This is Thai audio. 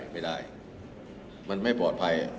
ไม่ได้มันไม่ปลอดภัย